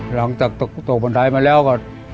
หลังจากตกบันไดมาแล้วก็